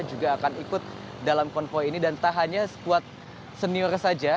juga akan ikut dalam konvoy ini dan tak hanya skuad senior saja